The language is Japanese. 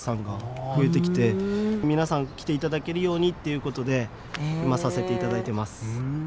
皆さん来ていただけるようにっていうことで今させていただいてます。